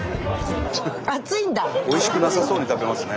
おいしくなさそうに食べますね。